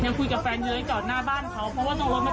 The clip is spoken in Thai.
ยังคุยกับแฟนเย้ยจอดหน้าบ้านเขา